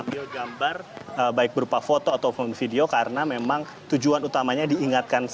para peziarah ataupun yang akan masyarakat akan mendoakan